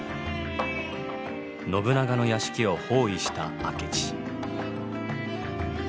信長の屋敷を包囲した明智。